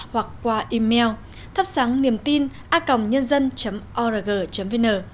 hoặc qua email thắp sángniềmtin org vn